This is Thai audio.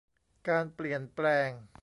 การเปลี่ยนแปลง